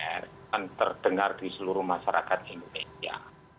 akan terdengar di seluruh masyarakat indonesia